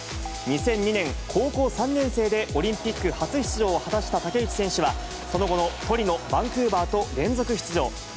２００２年、高校３年生でオリンピック初出場を果たした竹内選手は、その後のトリノ、バンクーバーと連続出場。